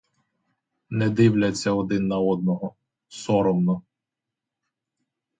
Не дивляться один на одного — соромно.